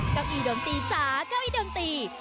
เก้าอีดมตีจ้าเก้าอีดมตี